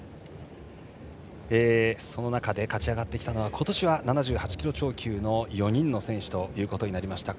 その中で勝ち上がってきたのは今年は７８キロ超級の４人の選手となりました。